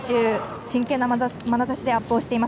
真剣なまなざしでアップをしています。